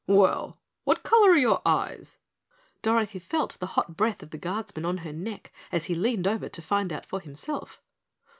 "Well, what color are your eyes?" Dorothy felt the hot breath of the Guardsman on her neck as he leaned over to find out for himself.